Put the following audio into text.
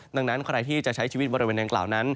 ดังนั้นใครที่จะใช้ชีวิตบริเวณดังกล่าวนั้น